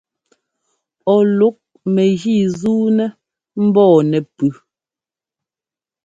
Ɔ lúk mɛgǐ zuunɛ mbɔɔ nɛ́pʉ́.